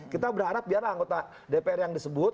kita berharap biarlah anggota dpr yang disebut